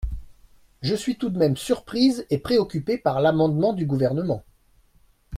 Je suis tout de même surprise et préoccupée par l’amendement du Gouvernement.